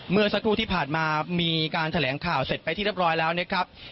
เมื่อสักครู่ที่ผ่านมามีการแถลงข่าวเสร็จไปที่เรียบร้อยแล้วนะครับ